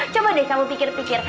coba deh kamu pikir pikir